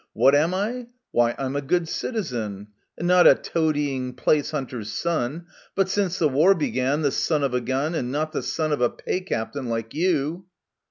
What am I ? Why, I'm a good citizen, And not a toadying place hunter's son : But, since the war began, the son of a gun, And not the son of a pay captain — like you